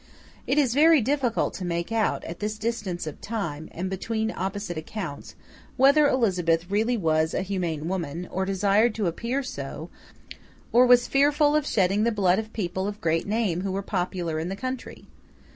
It is very difficult to make out, at this distance of time, and between opposite accounts, whether Elizabeth really was a humane woman, or desired to appear so, or was fearful of shedding the blood of people of great name who were popular in the country.